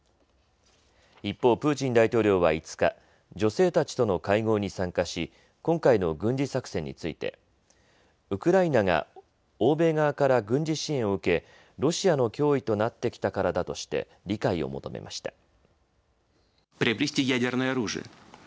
一方、プーチン大統領は５日、女性たちとの会合に参加し今回の軍事作戦についてウクライナが欧米側から軍事支援を受けロシアの脅威となってきたからだとして理解を求めました。